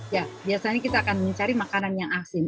ya biasanya kita akan mencari makanan yang asin